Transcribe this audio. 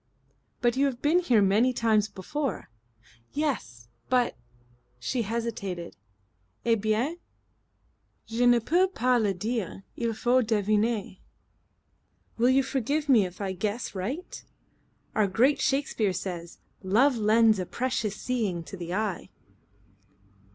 "But you've been here many times before." "Yes. But " She hesitated. "Eh bien?" "Je ne peux pas le dire. Il faut deviner." "Will you forgive me if I guess right? Our great Shakespeare says: 'Love lends a precious seeing to the eye.'"